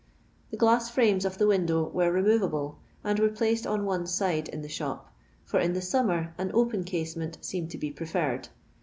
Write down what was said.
The glass frames of the window were removable, and were placed on one side in the shop, for in the summer an open casement seemed to be preferred.